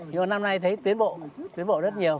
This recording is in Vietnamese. nhưng mà năm nay thấy tiến bộ tiến bộ rất nhiều